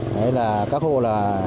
đấy là các hộ là